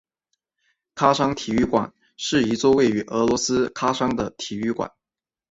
喀山体育场是一座位于俄罗斯喀山的体育场。